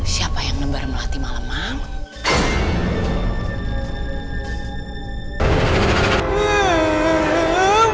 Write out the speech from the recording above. siapa yang menembalati malam malam